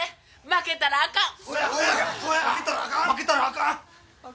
諦めたらあかん！